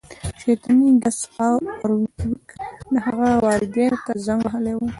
شیطاني ګس فارویک د هغه والدینو ته زنګ وهلی و